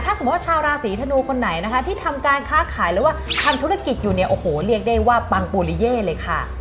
ถ้าสมมุติว่าชาวราศีธนูคนไหนนะคะที่ทำการค้าขายหรือว่าทำธุรกิจอยู่เนี่ยโอ้โหเรียกได้ว่าปังปูลิเย่เลยค่ะ